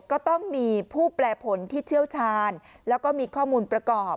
ก็ต้องมีผู้แปลผลที่เชี่ยวชาญแล้วก็มีข้อมูลประกอบ